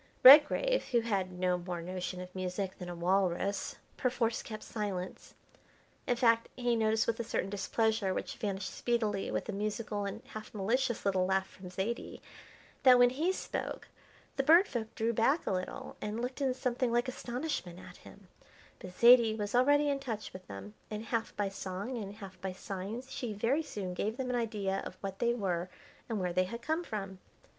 Redgrave, who had no more notion of music than a walrus, perforce kept silence. In fact, he noticed with a certain displeasure which vanished speedily with a musical, and half malicious little laugh from Zaidie, that when he spoke the Bird Folk drew back a little and looked in something like astonishment at him; but Zaidie was already in touch with them, and half by song and half by signs she very soon gave them an idea of what they were and where they had come from.